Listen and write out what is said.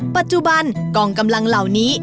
ปัจจุบันกองกำลังเหล่านี้